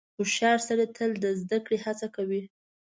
• هوښیار سړی تل د زدهکړې هڅه کوي.